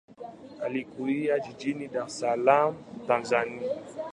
Alikulia jijini Dar es Salaam, Tanzania.